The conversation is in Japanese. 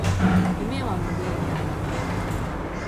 夢は無限大